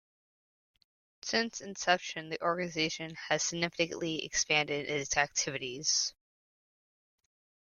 Since inception, the organization has significantly expanded its activities.